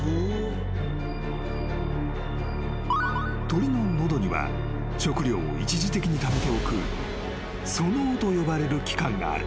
［鳥の喉には食料を一時的にためておく素嚢と呼ばれる器官がある］